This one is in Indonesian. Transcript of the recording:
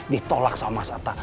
ditolak sama sata